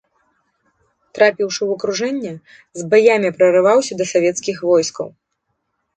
Трапіўшы ў акружэнне, з баямі прарываўся да савецкіх войскаў.